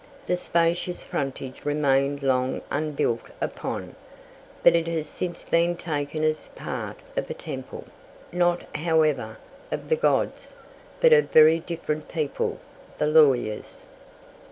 The spacious frontage remained long unbuilt upon, but it has since been taken as part of a "Temple" not, however, of the gods, but of very different people the lawyers.